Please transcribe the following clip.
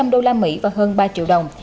chín trăm linh đô la mỹ và hơn ba triệu đồng